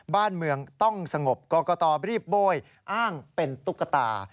บ้านเมืองต้องสงบกรกตรีบโบ้ยอ้างเป็นตุ๊กตา